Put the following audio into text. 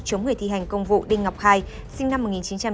chống người thi hành công vụ đinh ngọc khai sinh năm một nghìn chín trăm chín mươi